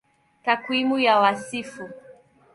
Takwimu ya Wasifu